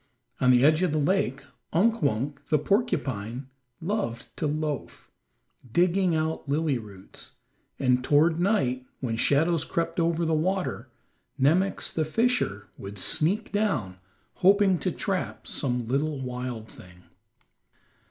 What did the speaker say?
On the edge of the lake Unk Wunk, the porcupine, loved to loaf, digging out lily roots, and toward night, when shadows crept over the water, Nemox, the fisher, would sneak down, hoping to trap some little wild thing.